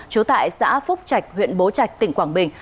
trú tại xã phúc trạch huyện bố trạch tỉnh quảng bình